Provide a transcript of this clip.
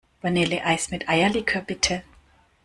Vanilleeis mit Eierlikör, bitte.